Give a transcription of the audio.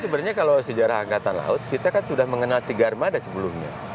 sebenarnya kalau sejarah angkatan laut kita kan sudah mengenal tiga armada sebelumnya